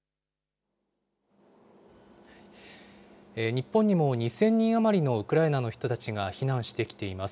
日本にも２０００人余りのウクライナの人たちが避難してきています。